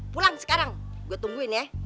pulang sekarang gue tungguin ya